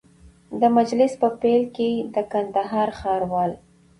د مجلس په پیل کي د کندهار ښاروال